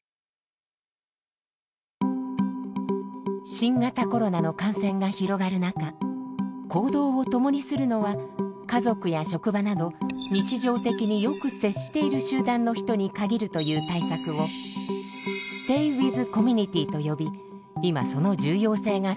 新型コロナの感染が広がる中行動を共にするのは家族や職場など日常的によく接している集団の人に限るという対策をステイ・ウィズ・コミュニティーと呼び今その重要性が叫ばれています。